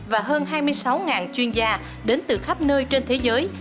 và hơn hai mươi sáu chuyên gia đến từ khắp nơi trên thế giới